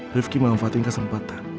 rifki mengamfati kesempatan